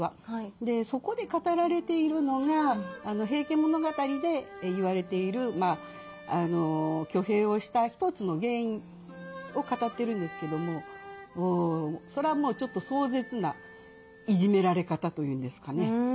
そこで語られているのが「平家物語」で言われている挙兵をした一つの原因を語ってるんですけどもそらもうちょっと壮絶ないじめられ方というんですかね。